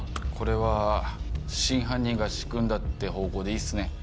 これは真犯人が仕組んだって方向でいいっすね？